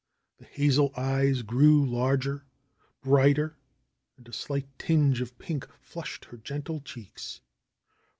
The hazel e3^es grew larger, brighter and a slight tinge of pink ■ flushed her gentle cheeks.